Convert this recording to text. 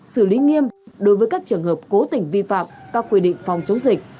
xử lý nghiêm đối với các trường hợp cố tình vi phạm các quy định phòng chống dịch